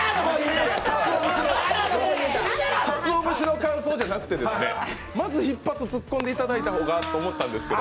かつお節の乾燥じゃなくてまず一発ツッコンでいただいた方がということだったんですけど。